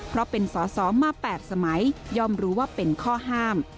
เพราะเป็นสอสอมา๘สมัยย่อมรู้ว่าเป็นข้อห้าม